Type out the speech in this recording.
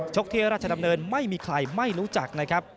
ที่ราชดำเนินไม่มีใครไม่รู้จักนะครับ